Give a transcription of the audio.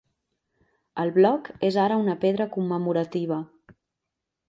El bloc és ara una pedra commemorativa.